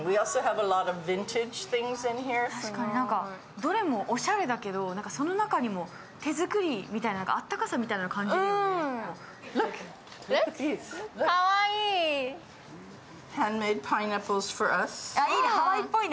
どれもおしゃれだけど、その中にも手作りみたいな、あったかさみたいなのを感じるよね。